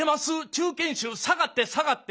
中堅手下がって下がって。